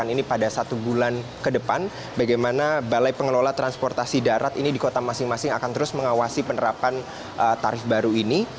ini pada satu bulan ke depan bagaimana balai pengelola transportasi darat ini di kota masing masing akan terus mengawasi penerapan tarif baru ini